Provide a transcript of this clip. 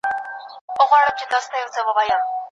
د ناروغ په وینه کې د مکروب کچه باید ژر تر ژره کنټرول شي.